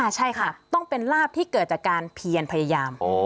ใช่ค่ะต้องเป็นลาบที่เกิดจากการเพียนพยายาม